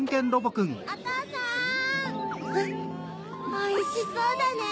おいしそうだね。